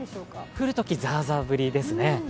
降るときザーザー降りですね。